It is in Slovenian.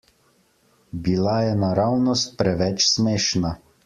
Bila je naravnost preveč smešna.